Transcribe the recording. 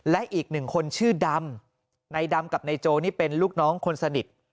และอีกหนึ่งคนชื่อดำนายดำกับนายโจนี่เป็นลูกน้องคนสนิท